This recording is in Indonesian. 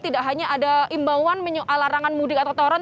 tidak hanya ada imbauan menyoal larangan mudik atau aturan